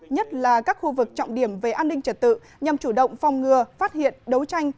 nhất là các khu vực trọng điểm về an ninh trật tự nhằm chủ động phòng ngừa phát hiện đấu tranh